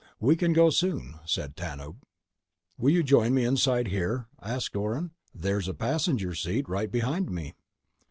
"We can go soon," said Tanub. "Will you join me inside here?" asked Orne. "There's a passenger seat right behind me."